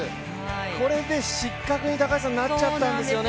これで失格になっちゃったんですよね。